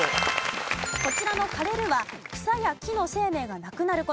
こちらの枯れるは草や木の生命がなくなる事。